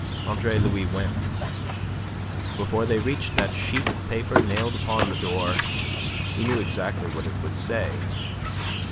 Andre Louis went. Before they reached that sheet of paper nailed upon the door, he knew exactly what it would say.